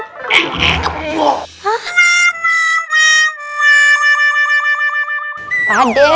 eh pak deh